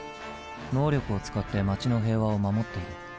能力を使って街の平和を守っている。